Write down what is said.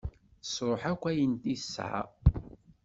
Tesruḥ akk ayen i tesεa.